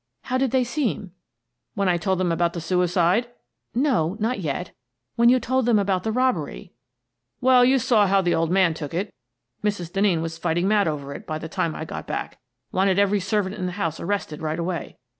"How did they seem?" "When I told them about the suicide?" " No — not yet. When you told them about the robbery." " Well, you saw how the old man took it. Mrs. Denneen was fighting mad over it by the time I got back — wanted every servant in the house arrested right away.